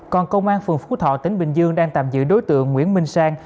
còn công an phường phú thọ tỉnh bình dương đang tạm giữ đối tượng nguyễn minh sang